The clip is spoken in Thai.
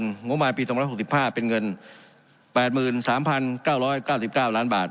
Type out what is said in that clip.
สูงออกมาปีสองร้อยหกสิบห้าเป็นเงินแปดหมื่นสามพันเก้าร้อยเก้าสิบเก้าล้านบาท